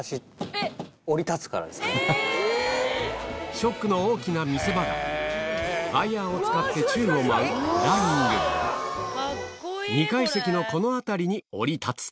『ＳＨＯＣＫ』の大きな見せ場がワイヤーを使って宙を舞う２階席のこの辺りに降り立つ